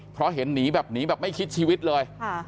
เพราะเห็นหนีแบบนี้แบบไม่คิดชีวิตเลย